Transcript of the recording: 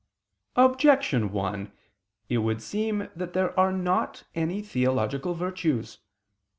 Objection 1: It would seem that there are not any theological virtues.